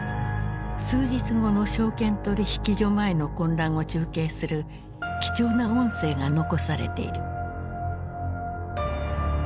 数日後の証券取引所前の混乱を中継する貴重な音声が残されている。